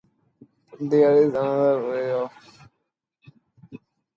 There is another way of torture quite as painful—it is the swing.